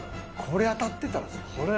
これ当たってたら。